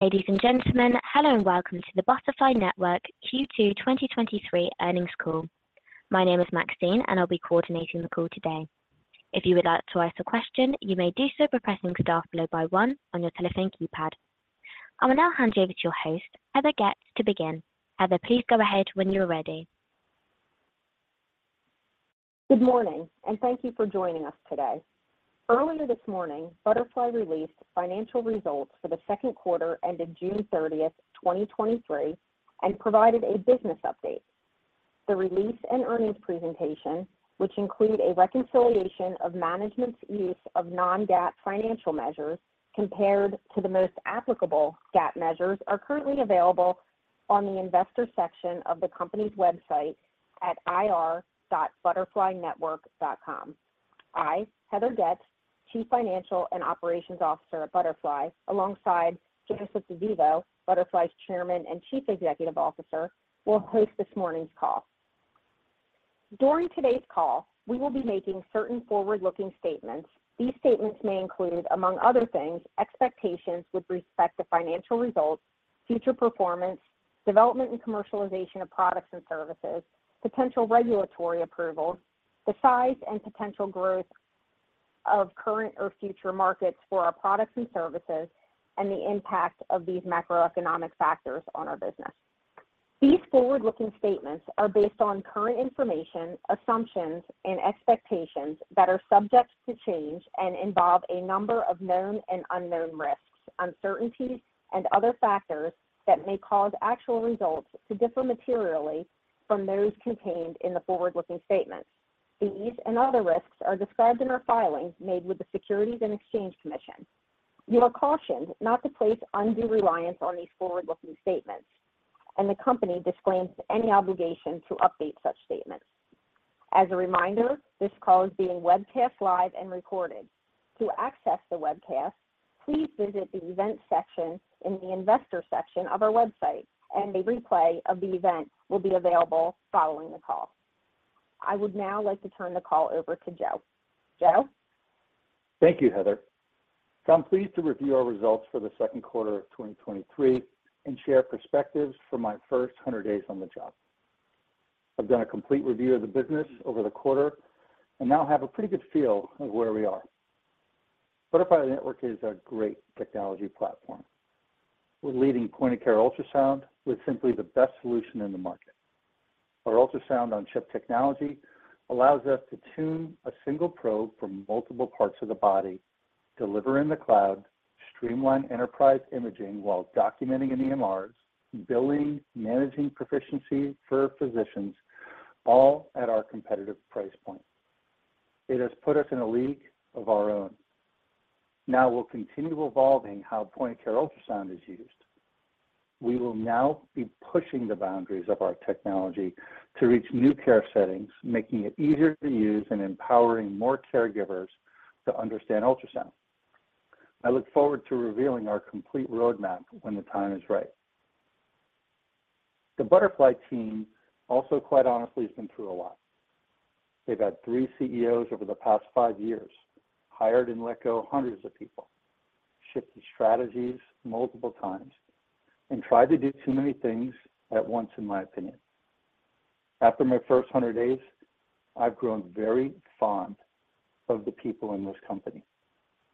Ladies and gentlemen, hello and welcome to the Butterfly Network Q2 2023 earnings call. My name is Maxine, and I'll be coordinating the call today. If you would like to ask a question, you may do so by pressing star followed by one on your telephone keypad. I will now hand you over to your host, Heather Goetz, to begin. Heather, please go ahead when you're ready. Good morning, and thank you for joining us today. Earlier this morning, Butterfly released financial results for the second quarter ended June 30th, 2023, and provided a business update. The release and earnings presentation, which include a reconciliation of management's use of non-GAAP financial measures compared to the most applicable GAAP measures, are currently available on the investor section of the company's website at ir.butterflynetwork.com. I, Heather Goetz, Chief Financial and Operations Officer at Butterfly, alongside Joseph DeVivo, Butterfly's Chairman and Chief Executive Officer, will host this morning's call. During today's call, we will be making certain forward-looking statements. These statements may include, among other things, expectations with respect to financial results, future performance, development and commercialization of products and services, potential regulatory approvals, the size and potential growth of current or future markets for our products and services, and the impact of these macroeconomic factors on our business. These forward-looking statements are based on current information, assumptions, and expectations that are subject to change and involve a number of known and unknown risks, uncertainties, and other factors that may cause actual results to differ materially from those contained in the forward-looking statements. These and other risks are described in our filings made with the Securities and Exchange Commission. You are cautioned not to place undue reliance on these forward-looking statements, and the company disclaims any obligation to update such statements. As a reminder, this call is being webcast live and recorded. To access the webcast, please visit the event section in the investor section of our website, and a replay of the event will be available following the call. I would now like to turn the call over to Joe. Joe? Thank you, Heather. I'm pleased to review our results for the second quarter of 2023 and share perspectives for my first 100 days on the job. I've done a complete review of the business over the quarter and now have a pretty good feel of where we are. Butterfly Network is a great technology platform. We're leading point-of-care ultrasound with simply the best solution in the market. Our Ultrasound-on-Chip technology allows us to tune a single probe for multiple parts of the body, deliver in the cloud, streamline enterprise imaging while documenting in EMRs, billing, managing proficiency for physicians, all at our competitive price point. It has put us in a league of our own. Now, we'll continue evolving how point-of-care ultrasound is used. We will now be pushing the boundaries of our technology to reach new care settings, making it easier to use and empowering more caregivers to understand ultrasound. I look forward to revealing our complete roadmap when the time is right. The Butterfly team also, quite honestly, has been through a lot. They've had three CEOs over the past five years, hired and let go hundreds of people, shifted strategies multiple times, and tried to do too many things at once, in my opinion. After my first 100 days, I've grown very fond of the people in this company,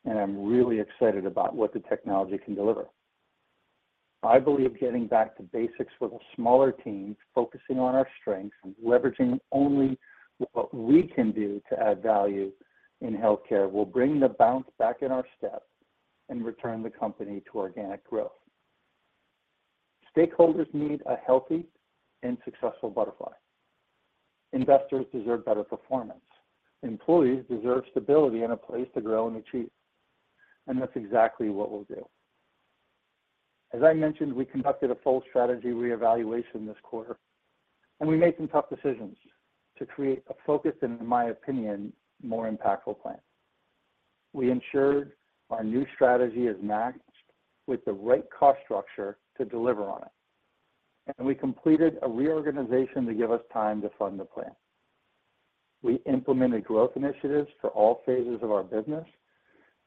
and I'm really excited about what the technology can deliver. I believe getting back to basics with a smaller team, focusing on our strengths, and leveraging only what we can do to add value in healthcare, will bring the bounce back in our step and return the company to organic growth. Stakeholders need a healthy and successful Butterfly. Investors deserve better performance. Employees deserve stability and a place to grow and achieve, and that's exactly what we'll do. As I mentioned, we conducted a full strategy reevaluation this quarter, and we made some tough decisions to create a focused and, in my opinion, more impactful plan. We ensured our new strategy is matched with the right cost structure to deliver on it, and we completed a reorganization to give us time to fund the plan. We implemented growth initiatives for all phases of our business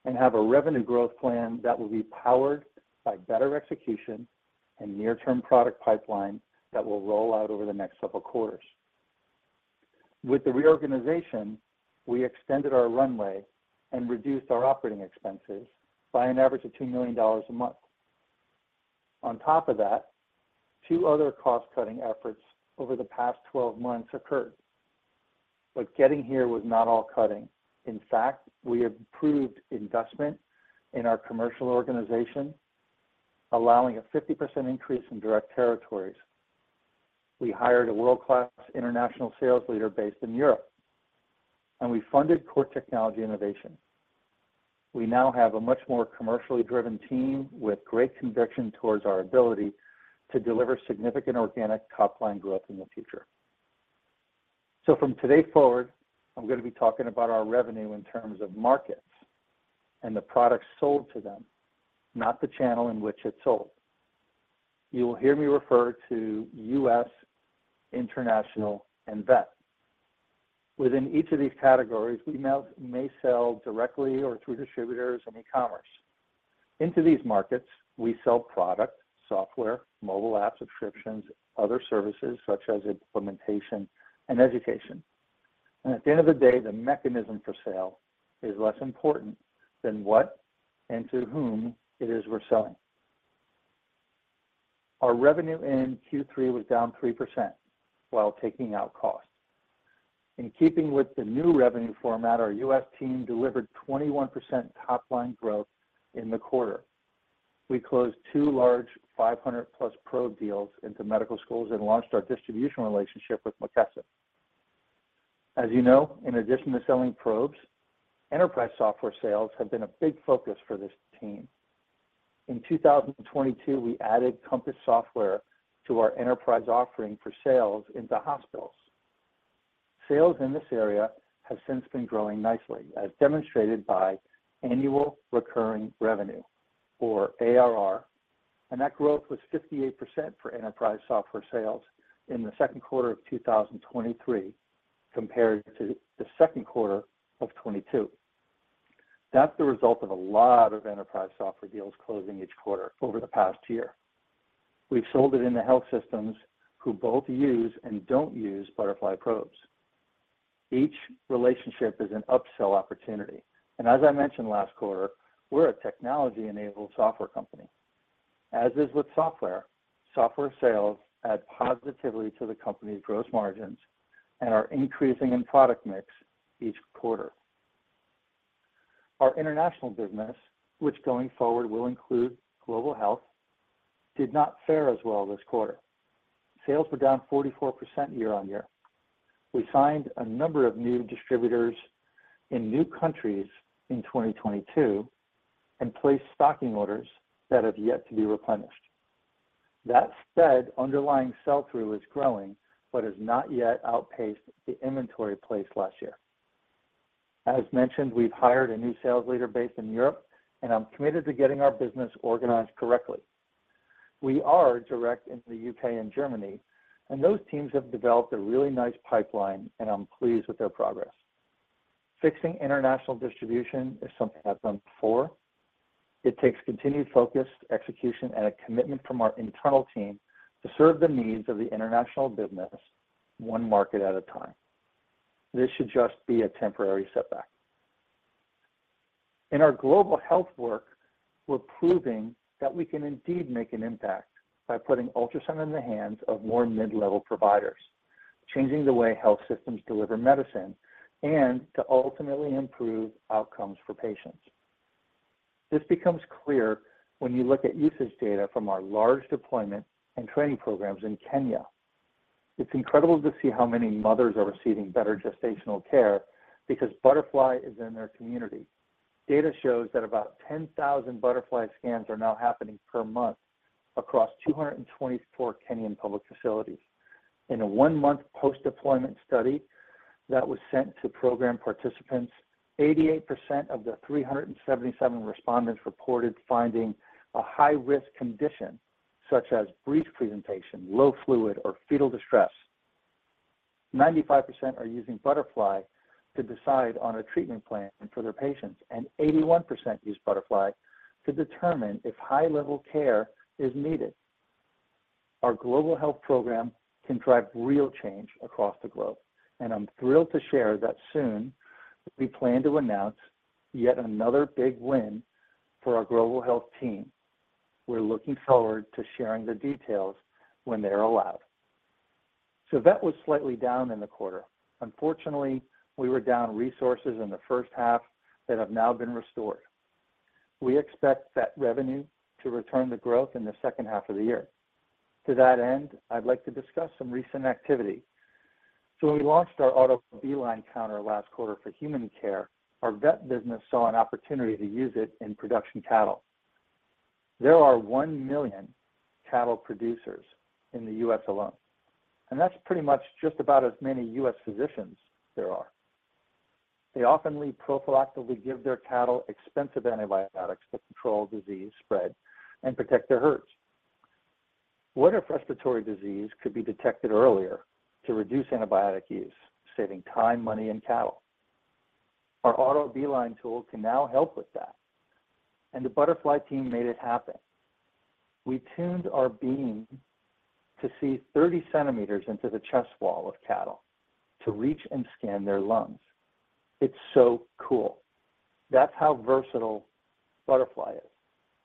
and have a revenue growth plan that will be powered by better execution and near-term product pipeline that will roll out over the next several quarters. With the reorganization, we extended our runway and reduced our operating expenses by an average of $2 million a month. On top of that, two other cost-cutting efforts over the past 12 months occurred, but getting here was not all cutting. In fact, we improved investment in our commercial organization, allowing a 50% increase in direct territories. We hired a world-class international sales leader based in Europe, and we funded core technology innovation. We now have a much more commercially driven team with great conviction towards our ability to deliver significant organic top-line growth in the future. From today forward, I'm going to be talking about our revenue in terms of markets and the products sold to them, not the channel in which it's sold. You will hear me refer to US, international, and vet. Within each of these categories, we now may sell directly or through distributors and e-commerce. Into these markets, we sell product, software, mobile app subscriptions, other services such as implementation and education. At the end of the day, the mechanism for sale is less important than what and to whom it is we're selling. Our revenue in Q3 was down 3% while taking out costs. In keeping with the new revenue format, our U.S. team delivered 21% top-line growth in the quarter. We closed two large 500+ probe deals into medical schools and launched our distribution relationship with McKesson. As you know, in addition to selling probes, enterprise software sales have been a big focus for this team. In 2022, we added Compass software to our enterprise offering for sales into hospitals. Sales in this area have since been growing nicely, as demonstrated by annual recurring revenue, or ARR, and that growth was 58% for enterprise software sales in Q2 2023 compared to Q2 2022. That's the result of a lot of enterprise software deals closing each quarter over the past year. We've sold it into health systems who both use and don't use Butterfly probes. Each relationship is an upsell opportunity, and as I mentioned last quarter, we're a technology-enabled software company. As is with software, software sales add positively to the company's gross margins and are increasing in product mix each quarter. Our international business, which going forward will include global health, did not fare as well this quarter. Sales were down 44% year-on-year. We signed a number of new distributors in new countries in 2022 and placed stocking orders that have yet to be replenished. That said, underlying sell-through is growing, but has not yet outpaced the inventory placed last year. As mentioned, we've hired a new sales leader based in Europe, and I'm committed to getting our business organized correctly. We are direct into the UK and Germany, and those teams have developed a really nice pipeline and I'm pleased with their progress. Fixing international distribution is something I've done before. It takes continued focus, execution, and a commitment from our internal team to serve the needs of the international business, one market at a time. This should just be a temporary setback. In our global health work, we're proving that we can indeed make an impact by putting ultrasound in the hands of more mid-level providers, changing the way health systems deliver medicine and to ultimately improve outcomes for patients. This becomes clear when you look at usage data from our large deployment and training programs in Kenya. It's incredible to see how many mothers are receiving better gestational care because Butterfly is in their community. Data shows that about 10,000 Butterfly scans are now happening per month across 224 Kenyan public facilities. In a one-month post-deployment study that was sent to program participants, 88% of the 377 respondents reported finding a high-risk condition, such as breech presentation, low fluid, or fetal distress. 95% are using Butterfly to decide on a treatment plan for their patients, and 81% use Butterfly to determine if high-level care is needed. Our global health program can drive real change across the globe, and I'm thrilled to share that soon we plan to announce yet another big win for our global health team. We're looking forward to sharing the details when they're allowed. That was slightly down in the quarter. Unfortunately, we were down resources in the first half that have now been restored. We expect that revenue to return the growth in the second half of the year. To that end, I'd like to discuss some recent activity. When we launched our Auto B-Line Counter last quarter for human care, our vet business saw an opportunity to use it in production cattle. There are 1 million cattle producers in the U.S. alone, and that's pretty much just about as many U.S. physicians there are. They often prophylactically give their cattle expensive antibiotics to control disease spread and protect their herds. What if respiratory disease could be detected earlier to reduce antibiotic use, saving time, money, and cattle? Our Auto B-Line tool can now help with that, and the Butterfly team made it happen. We tuned our beam to see 30 cm into the chest wall of cattle to reach and scan their lungs. It's so cool. That's how versatile Butterfly is.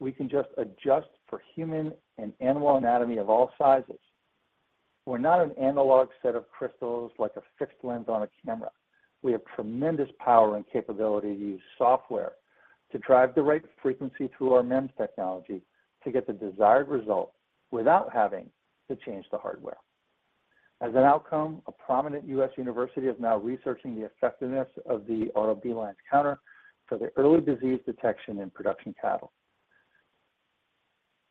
We can just adjust for human and animal anatomy of all sizes. We're not an analog set of crystals, like a fixed lens on a camera. We have tremendous power and capability to use software to drive the right frequency through our MEMS technology to get the desired result without having to change the hardware. As an outcome, a prominent U.S. university is now researching the effectiveness of the Auto B-Line Counter for the early disease detection in production cattle.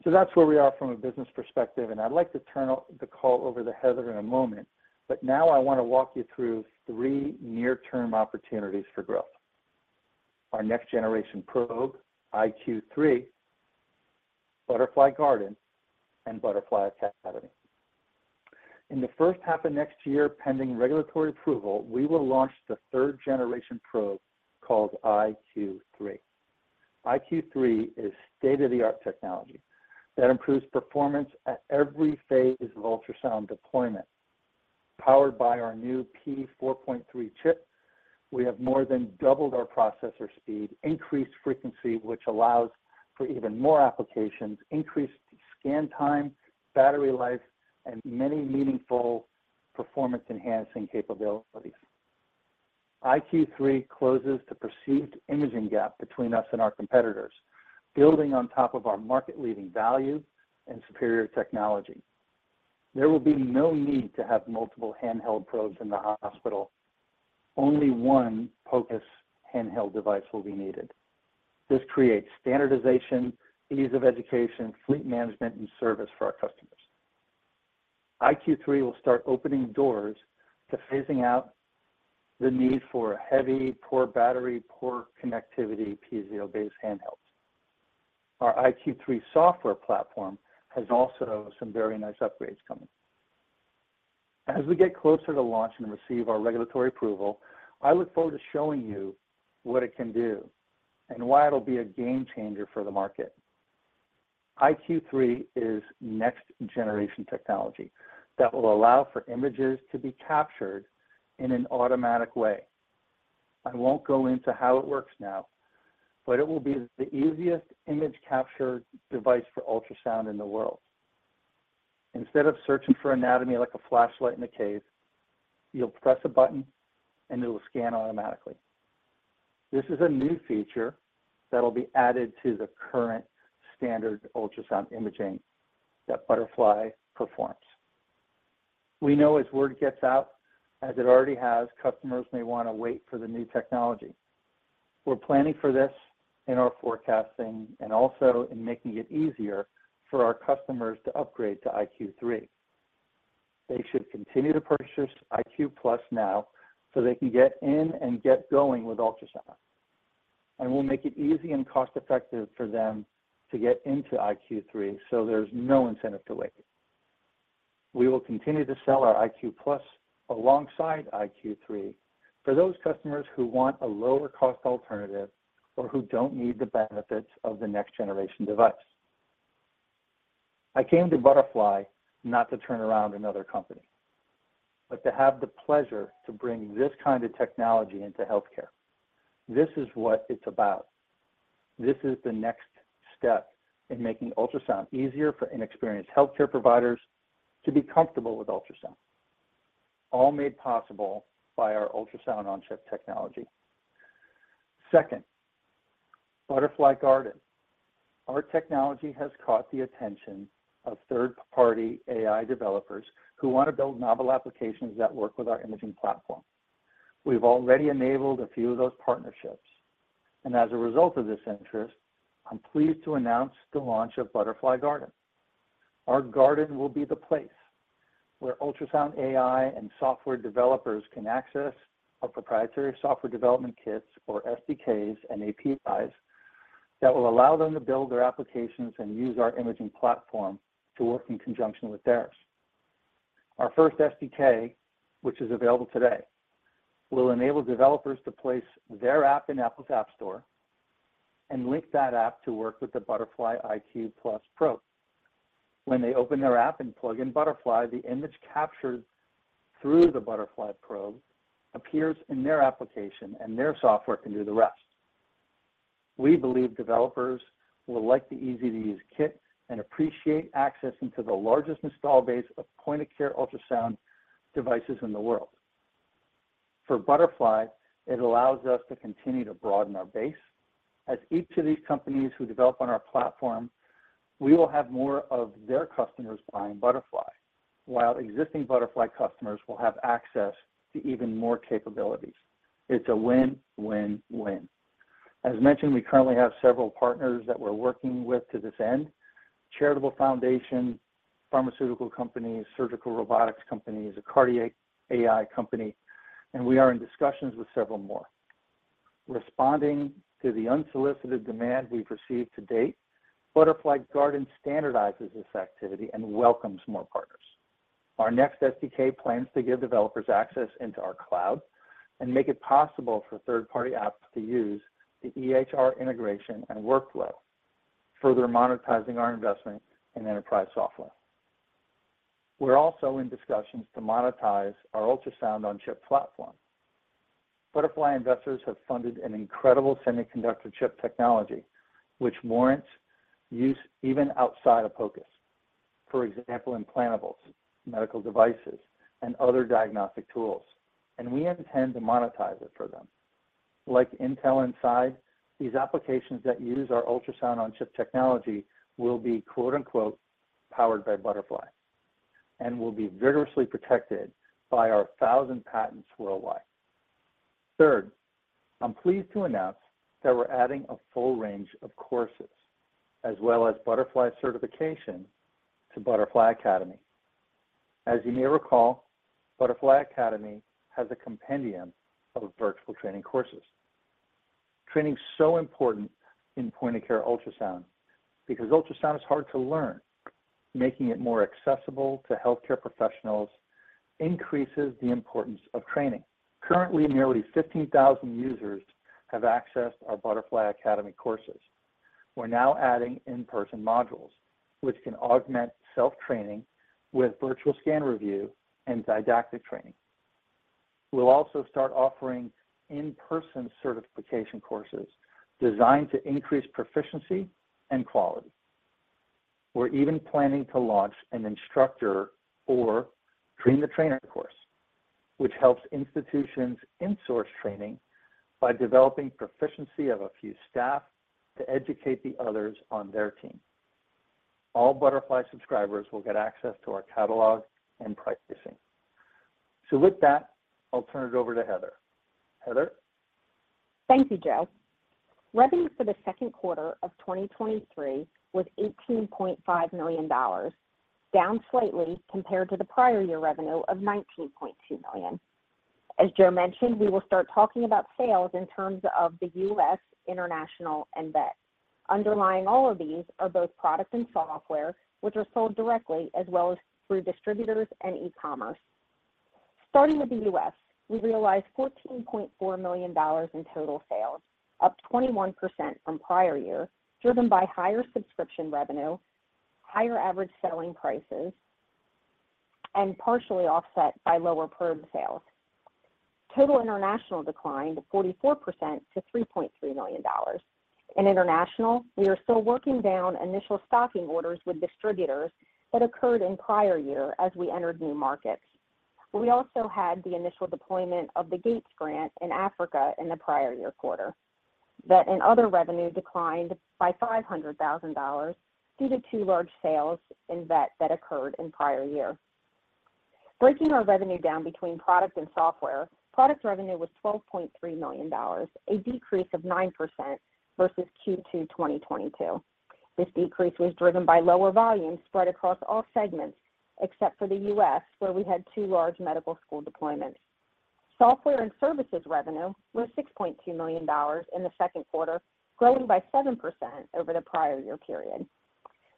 That's where we are from a business perspective, and I'd like to turn the call over to Heather in a moment, but now I want to walk you through three near-term opportunities for growth. Our next generation probe, iQ3, Butterfly Garden and Butterfly Academy. In the first half of next year, pending regulatory approval, we will launch the third generation probe called iQ3. iQ3 is state-of-the-art technology that improves performance at every phase of ultrasound deployment. Powered by our new P4.3 chip, we have more than doubled our processor speed, increased frequency, which allows for even more applications, increased scan time, battery life, and many meaningful performance enhancing capabilities. iQ3 closes the perceived imaging gap between us and our competitors, building on top of our market-leading value and superior technology. There will be no need to have multiple handheld probes in the hospital. Only one POCUS handheld device will be needed. This creates standardization, ease of education, fleet management, and service for our customers. iQ3 will start opening doors to phasing out the need for a heavy, poor battery, poor connectivity, piezo-based handhelds. Our iQ3 software platform has also some very nice upgrades coming. As we get closer to launch and receive our regulatory approval, I look forward to showing you what it can do and why it'll be a game changer for the market. Butterfly iQ3 is next generation technology that will allow for images to be captured in an automatic way. I won't go into how it works now, but it will be the easiest image capture device for ultrasound in the world. Instead of searching for anatomy like a flashlight in a cave, you'll press a button and it will scan automatically. This is a new feature that'll be added to the current standard ultrasound imaging that Butterfly performs. We know as word gets out, as it already has, customers may wanna wait for the new technology. We're planning for this in our forecasting and also in making it easier for our customers to upgrade to Butterfly iQ3. They should continue to purchase iQ+ now so they can get in and get going with ultrasound. We'll make it easy and cost-effective for them to get into iQ3, so there's no incentive to wait. We will continue to sell our iQ+ alongside iQ3 for those customers who want a lower cost alternative or who don't need the benefits of the next generation device. I came to Butterfly not to turn around another company, but to have the pleasure to bring this kind of technology into healthcare. This is what it's about. This is the next step in making ultrasound easier for inexperienced healthcare providers to be comfortable with ultrasound, all made possible by our Ultrasound-on-Chip technology. Second, Butterfly Garden. Our technology has caught the attention of third-party AI developers who want to build novel applications that work with our imaging platform. We've already enabled a few of those partnerships, and as a result of this interest, I'm pleased to announce the launch of Butterfly Garden. Our garden will be the place where ultrasound, AI, and software developers can access our proprietary Software Development Kits or SDKs and APIs that will allow them to build their applications and use our imaging platform to work in conjunction with theirs. Our first SDK, which is available today, will enable developers to place their app in Apple's App Store and link that app to work with the Butterfly iQ+ probe. When they open their app and plug in Butterfly, the image captured through the Butterfly probe appears in their application, and their software can do the rest. We believe developers will like the easy-to-use kit and appreciate accessing to the largest install base of point-of-care ultrasound devices in the world. For Butterfly, it allows us to continue to broaden our base. As each of these companies who develop on our platform, we will have more of their customers buying Butterfly, while existing Butterfly customers will have access to even more capabilities. It's a win-win-win. As mentioned, we currently have several partners that we're working with to this end. Charitable foundation, pharmaceutical companies, surgical robotics companies, a cardiac AI company, and we are in discussions with several more. Responding to the unsolicited demand we've received to date, Butterfly Garden standardizes this activity and welcomes more partners. Our next SDK plans to give developers access into our cloud and make it possible for third-party apps to use the EHR integration and workflow, further monetizing our investment in enterprise software. We're also in discussions to monetize our Ultrasound-on-Chip platform. Butterfly investors have funded an incredible semiconductor chip technology, which warrants use even outside of POCUS. For example, implantables, medical devices, and other diagnostic tools, and we intend to monetize it for them. Like Intel Inside, these applications that use our Ultrasound-on-Chip technology will be, quote, unquote, "Powered by Butterfly," and will be vigorously protected by our 1,000 patents worldwide. Third, I'm pleased to announce that we're adding a full range of courses, as well as Butterfly certification to Butterfly Academy. As you may recall, Butterfly Academy has a compendium of virtual training courses. Training is so important in point-of-care ultrasound because ultrasound is hard to learn, making it more accessible to healthcare professionals increases the importance of training. Currently, nearly 15,000 users have accessed our Butterfly Academy courses. We're now adding in-person modules, which can augment self-training with virtual scan review and didactic training. We'll also start offering in-person certification courses designed to increase proficiency and quality. We're even planning to launch an instructor or train-the-trainer course, which helps institutions in-source training by developing proficiency of a few staff to educate the others on their team. All Butterfly subscribers will get access to our catalog and pricing. With that, I'll turn it over to Heather. Heather? Thank you, Joe. Revenue for the second quarter of 2023 was $18.5 million, down slightly compared to the prior year revenue of $19.2 million. As Joe mentioned, we will start talking about sales in terms of the U.S., international, and vet. Underlying all of these are both product and software, which are sold directly as well as through distributors and e-commerce. Starting with the U.S., we realized $14.4 million in total sales, up 21% from prior year, driven by higher subscription revenue, higher average selling prices, and partially offset by lower probe sales. Total international declined 44% to $3.3 million. In international, we are still working down initial stocking orders with distributors that occurred in prior year as we entered new markets. We also had the initial deployment of the Gates Grant in Africa in the prior year quarter. Vet and other revenue declined by $500,000 due to two large sales in vet that occurred in prior year. Breaking our revenue down between product and software, product revenue was $12.3 million, a decrease of 9% versus Q2 2022. This decrease was driven by lower volumes spread across all segments, except for the US, where we had two large medical school deployments. Software and services revenue was $6.2 million in the second quarter, growing by 7% over the prior year period.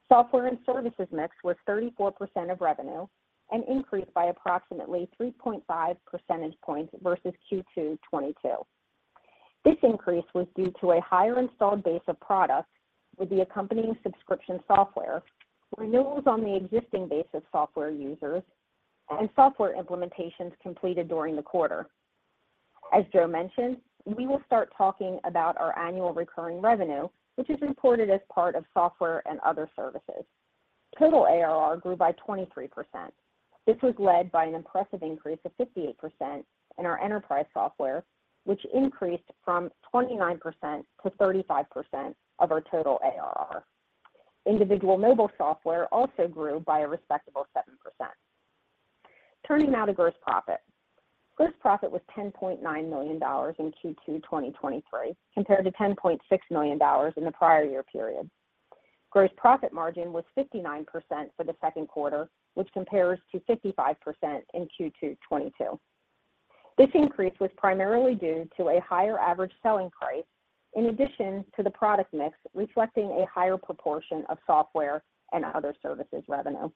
Software and services mix was 34% of revenue and increased by approximately 3.5 percentage points versus Q2 2022. This increase was due to a higher installed base of products with the accompanying subscription software, renewals on the existing base of software users, and software implementations completed during the quarter. As Joe mentioned, we will start talking about our annual recurring revenue, which is reported as part of software and other services. Total ARR grew by 23%. This was led by an impressive increase of 58% in our enterprise software, which increased from 29% to 35% of our total ARR. Individual mobile software also grew by a respectable 7%. Turning now to gross profit. Gross profit was $10.9 million in Q2 2023, compared to $10.6 million in the prior year period. Gross profit margin was 59% for the second quarter, which compares to 55% in Q2 2022. This increase was primarily due to a higher average selling price, in addition to the product mix, reflecting a higher proportion of software and other services revenue.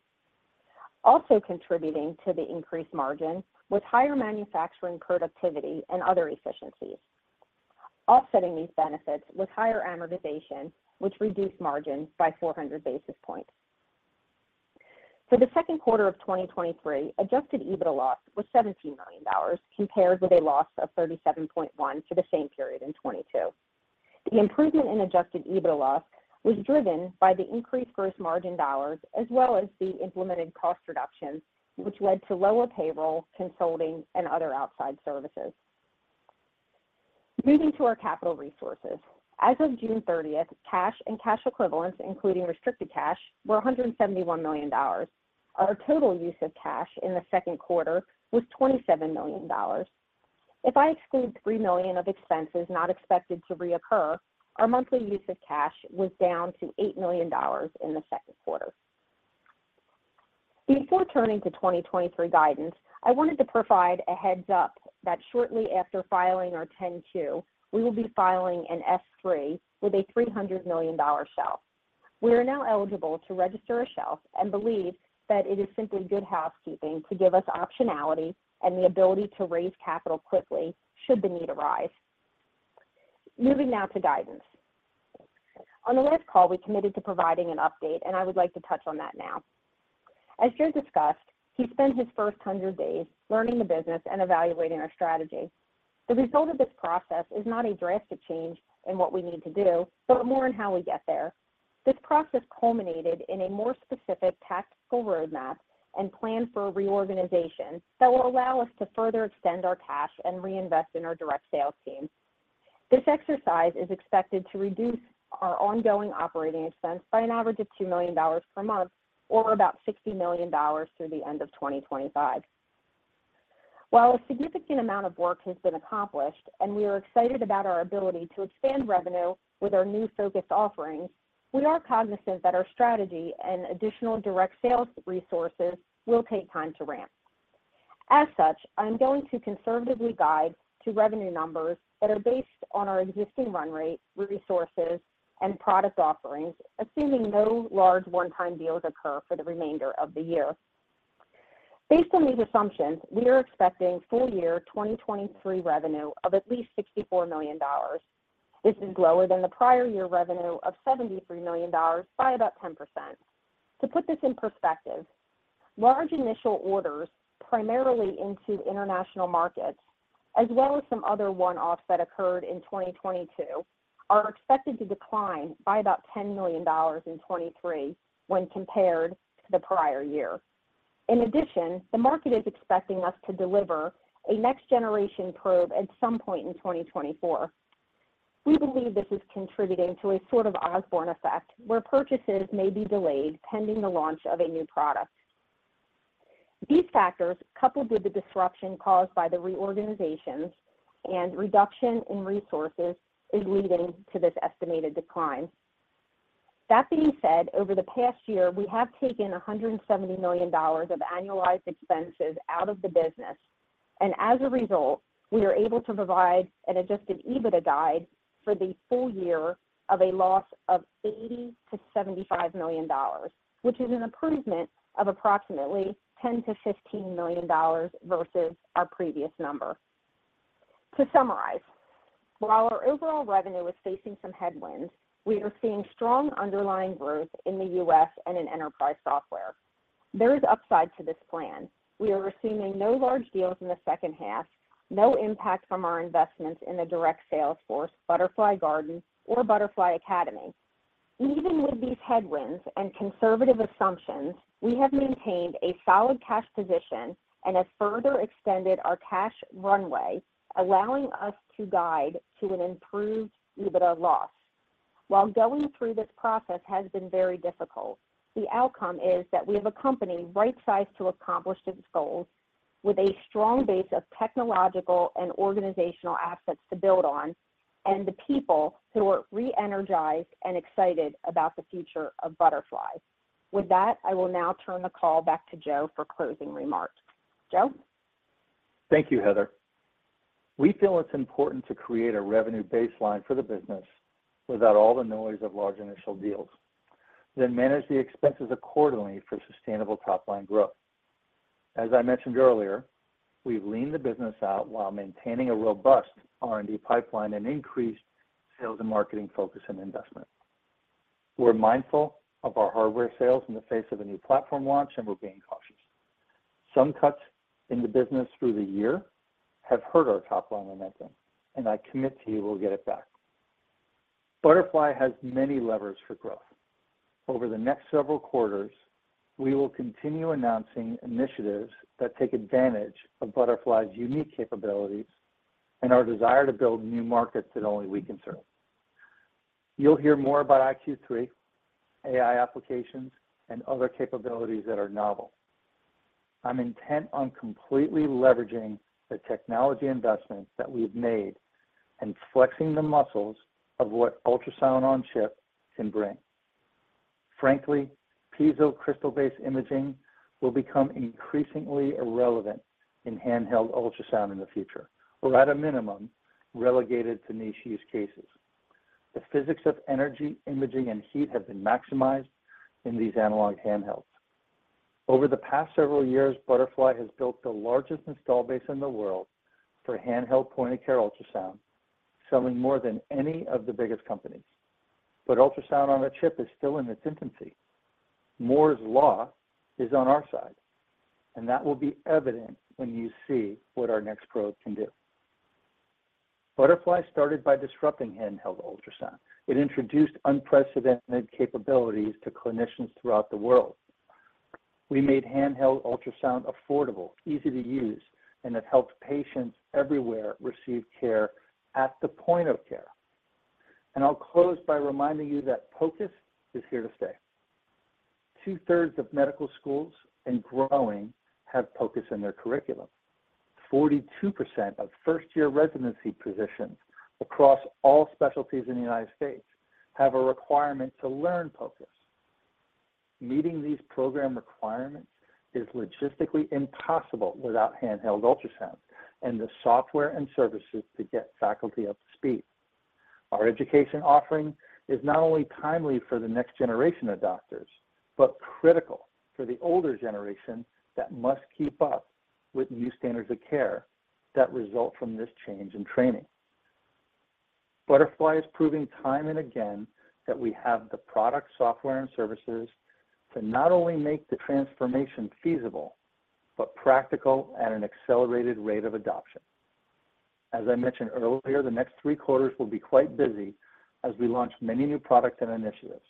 Also contributing to the increased margin was higher manufacturing productivity and other efficiencies. Offsetting these benefits was higher amortization, which reduced margin by 400 basis points. For the second quarter of 2023, Adjusted EBITDA loss was $17 million, compared with a loss of $37.1 million for the same period in 2022. The improvement in Adjusted EBITDA loss was driven by the increased gross margin dollars, as well as the implemented cost reductions, which led to lower payroll, consulting, and other outside services. Moving to our capital resources. As of June 30th, cash and cash equivalents, including restricted cash, were $171 million. Our total use of cash in the second quarter was $27 million. If I exclude $3 million of expenses not expected to reoccur, our monthly use of cash was down to $8 million in the second quarter. Before turning to 2023 guidance, I wanted to provide a heads up that shortly after filing our 10-Q, we will be filing an S-3 with a $300 million shelf. We are now eligible to register a shelf and believe that it is simply good housekeeping to give us optionality and the ability to raise capital quickly should the need arise. Moving now to guidance. On the last call, we committed to providing an update. I would like to touch on that now. As Joe discussed, he spent his first 100 days learning the business and evaluating our strategy. The result of this process is not a drastic change in what we need to do, but more on how we get there. This process culminated in a more specific tactical roadmap and plan for reorganization that will allow us to further extend our cash and reinvest in our direct sales team. This exercise is expected to reduce our ongoing operating expense by an average of $2 million per month or about $60 million through the end of 2025. While a significant amount of work has been accomplished, and we are excited about our ability to expand revenue with our new focused offerings, we are cognizant that our strategy and additional direct sales resources will take time to ramp. As such, I'm going to conservatively guide to revenue numbers that are based on our existing run rate, resources, and product offerings, assuming no large one-time deals occur for the remainder of the year. Based on these assumptions, we are expecting full year 2023 revenue of at least $64 million. This is lower than the prior year revenue of $73 million by about 10%. To put this in perspective, large initial orders, primarily into international markets, as well as some other one-offs that occurred in 2022, are expected to decline by about $10 million in 2023 when compared to the prior year. The market is expecting us to deliver a next generation probe at some point in 2024. We believe this is contributing to a sort of Osborne effect, where purchases may be delayed pending the launch of a new product. These factors, coupled with the disruption caused by the reorganizations and reduction in resources, is leading to this estimated decline. That being said, over the past year, we have taken $170 million of annualized expenses out of the business, and as a result, we are able to provide an Adjusted EBITDA guide for the full year of a loss of $80 million-$75 million, which is an improvement of approximately $10 million-$15 million versus our previous number. To summarize, while our overall revenue is facing some headwinds, we are seeing strong underlying growth in the U.S. and in enterprise software. There is upside to this plan. We are assuming no large deals in the second half, no impact from our investments in the direct sales force, Butterfly Garden or Butterfly Academy. Even with these headwinds and conservative assumptions, we have maintained a solid cash position and have further extended our cash runway, allowing us to guide to an improved EBITDA loss. While going through this process has been very difficult, the outcome is that we have a company right-sized to accomplish its goals with a strong base of technological and organizational assets to build on, and the people who are re-energized and excited about the future of Butterfly. With that, I will now turn the call back to Joe for closing remarks. Joe? Thank you, Heather. We feel it's important to create a revenue baseline for the business without all the noise of large initial deals, then manage the expenses accordingly for sustainable top-line growth. As I mentioned earlier, we've leaned the business out while maintaining a robust R&D pipeline and increased sales and marketing focus and investment. We're mindful of our hardware sales in the face of a new platform launch, and we're being cautious. Some cuts in the business through the year have hurt our top-line momentum, and I commit to you we'll get it back. Butterfly has many levers for growth. Over the next several quarters, we will continue announcing initiatives that take advantage of Butterfly's unique capabilities and our desire to build new markets that only we can serve. You'll hear more about iQ3, AI applications, and other capabilities that are novel. I'm intent on completely leveraging the technology investments that we've made and flexing the muscles of what Ultrasound-on-Chip can bring. Frankly, piezo crystal-based imaging will become increasingly irrelevant in handheld ultrasound in the future, or at a minimum, relegated to niche use cases. The physics of energy, imaging, and heat have been maximized in these analog handhelds. Over the past several years, Butterfly has built the largest install base in the world for handheld point-of-care ultrasound, selling more than any of the biggest companies. Ultrasound on a chip is still in its infancy. Moore's Law is on our side, and that will be evident when you see what our next probe can do. Butterfly started by disrupting handheld ultrasound. It introduced unprecedented capabilities to clinicians throughout the world. We made handheld ultrasound affordable, easy to use, and it helped patients everywhere receive care at the point of care. I'll close by reminding you that POCUS is here to stay. Two-thirds of medical schools and growing have POCUS in their curriculum. 42% of first-year residency positions across all specialties in the United States have a requirement to learn POCUS. Meeting these program requirements is logistically impossible without handheld ultrasound and the software and services to get faculty up to speed. Our education offering is not only timely for the next generation of doctors, but critical for the older generation that must keep up with new standards of care that result from this change in training. Butterfly is proving time and again that we have the product, software, and services to not only make the transformation feasible, but practical at an accelerated rate of adoption. As I mentioned earlier, the next three quarters will be quite busy as we launch many new products and initiatives.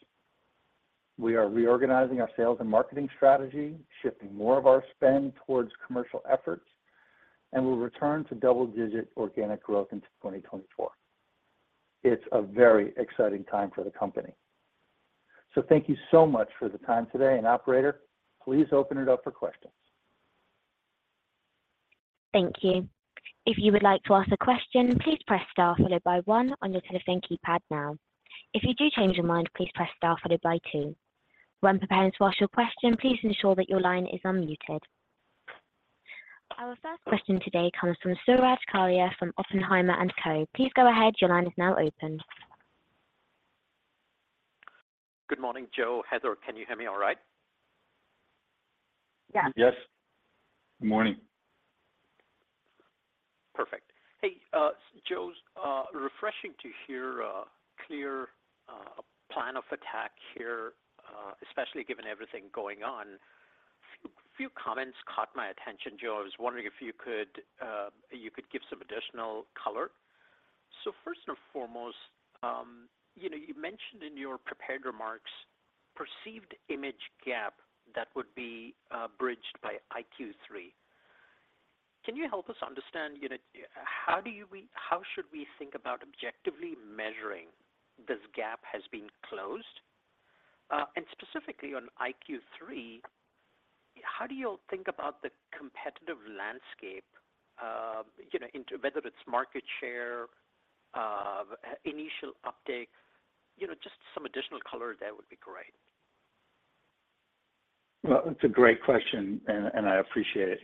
We are reorganizing our sales and marketing strategy, shifting more of our spend towards commercial efforts, and we'll return to double-digit organic growth into 2024. It's a very exciting time for the company. Thank you so much for the time today, and operator, please open it up for questions. Thank you. If you would like to ask a question, please press star followed by one on your telephone keypad now. If you do change your mind, please press star followed by two. When preparing to ask your question, please ensure that your line is unmuted. Our first question today comes from Suraj Kalia from Oppenheimer and Co. Please go ahead. Your line is now open. Good morning, Joe, Heather. Can you hear me all right? Yes. Yes. Good morning. Perfect. Hey, Joe, it's refreshing to hear a clear plan of attack here, especially given everything going on. A few comments caught my attention, Joe. I was wondering if you could give some additional color. First and foremost, you know, you mentioned in your prepared remarks, perceived image gap that would be bridged by iQ3. Can you help us understand, you know, how should we think about objectively measuring this gap has been closed? And specifically on iQ3, how do you think about the competitive landscape, you know, into whether it's market share, initial uptake, you know, just some additional color there would be great. Well, it's a great question, and, and I appreciate it.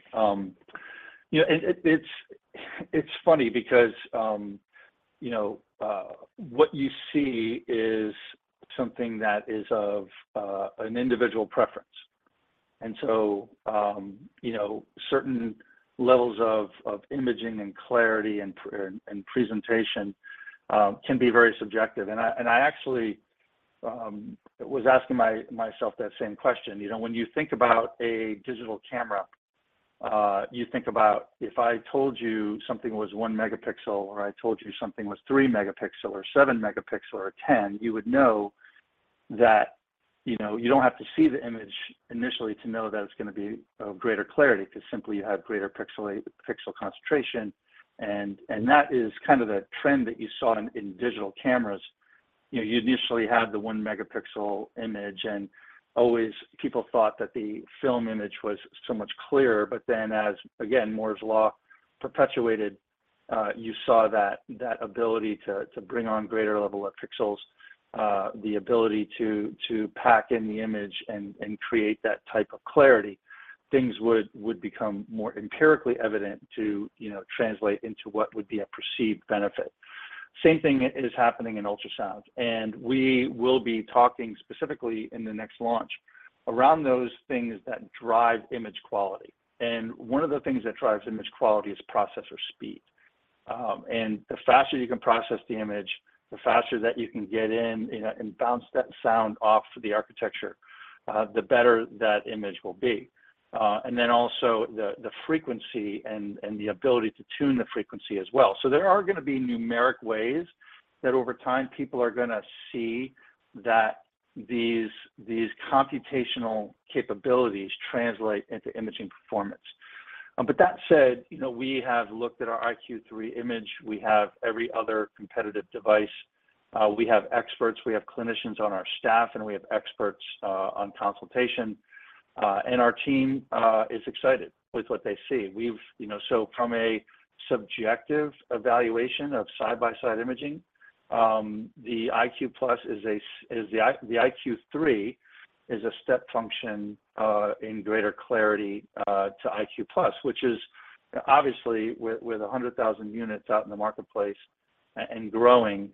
You know, and it, it, it's, it's funny because, you know, what you see is something that is of an individual preference. So, you know, certain levels of, of imaging and clarity and presentation, can be very subjective. I, and I actually, was asking myself that same question. You know, when you think about a digital camera, you think about if I told you something was 1 megapixel, or I told you something was 3 MP, or 7 MP, or 10, you would know that, you know, you don't have to see the image initially to know that it's gonna be of greater clarity, 'cause simply you have greater pixel concentration. That is kind of the trend that you saw in digital cameras. You know, you initially had the 1 megapixel image, and always people thought that the film image was so much clearer. As, again, Moore's law perpetuated, you saw that, that ability to bring on greater level of pixels, the ability to pack in the image and create that type of clarity, things would become more empirically evident to, you know, translate into what would be a perceived benefit. Same thing is happening in ultrasounds. We will be talking specifically in the next launch around those things that drive image quality. One of the things that drives image quality is processor speed. The faster you can process the image, the faster that you can get in, you know, and bounce that sound off the architecture, the better that image will be. Then also the, the frequency and the ability to tune the frequency as well. There are gonna be numeric ways that over time, people are gonna see that these, these computational capabilities translate into imaging performance. That said, you know, we have looked at our Butterfly iQ3 image. We have every other competitive device. We have experts, we have clinicians on our staff, and we have experts on consultation, and our team is excited with what they see. You know, from a subjective evaluation of side-by-side imaging, the Butterfly iQ+ is. The iQ3 is a step function in greater clarity to Butterfly iQ+, which is obviously with 100,000 units out in the marketplace and growing,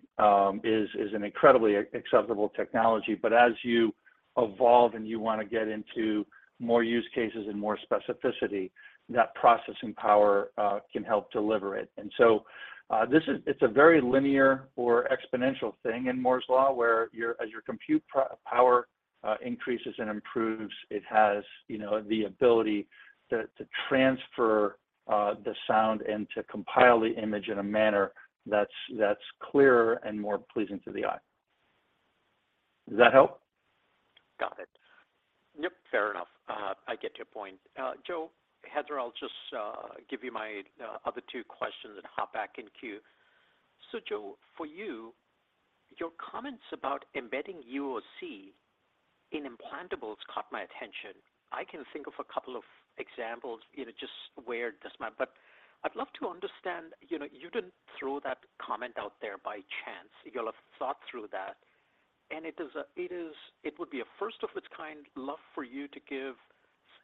is an incredibly acceptable technology. As you evolve and you wanna get into more use cases and more specificity, that processing power can help deliver it. This is... It's a very linear or exponential thing in Moore's law, where your, as your compute power increases and improves, it has, you know, the ability to transfer the sound and to compile the image in a manner that's clearer and more pleasing to the eye. Does that help? Got it. Yep, fair enough. I get your point. Joe, Heather, I'll just give you my other two questions and hop back in queue. Joe, for you, your comments about embedding UOC in implantables caught my attention. I can think of a couple of examples, you know, just where this might... I'd love to understand, you know, you didn't throw that comment out there by chance. You'll have thought through that, and it is a, it would be a first of its kind love for you to give,